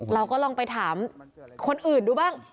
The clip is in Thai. เราก็ลองไปถามคนอื่นดูบ้าง